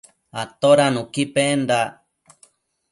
Atoda nuqui pendac?